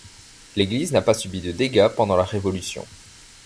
L'église n'a pas subi de dégâts pendant la Révolution.